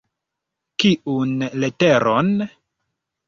Kiun leteron?